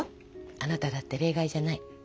あなただって例外じゃない。